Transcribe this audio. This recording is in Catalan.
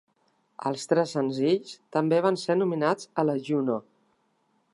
Els tres senzills també van ser nominats a la Juno.